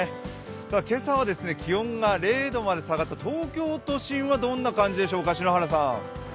今朝は気温が０度まで下がった東京都心はどうでしょうか？